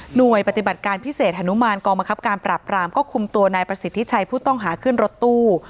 ปฏิบัติการพิเศษฮนุมานกองบังคับการปราบรามก็คุมตัวนายประสิทธิชัยผู้ต้องหาขึ้นรถตู้